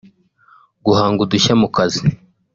guhanga udushya mu kazi